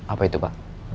apa itu pa